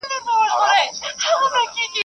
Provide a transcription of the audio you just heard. خندا د انسان ژوند ښکلی کوي